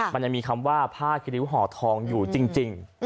มันยังมีคำว่าผ้าคิริ้วห่อทองอยู่จริง